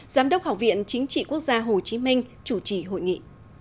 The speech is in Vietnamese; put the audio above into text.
giám đốc học viện chính trị quốc gia hồ chí minh chủ trì hội nghị